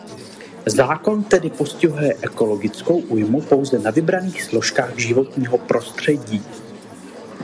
Zákon tedy postihuje ekologickou újmu pouze na vybraných složkách životního prostředí.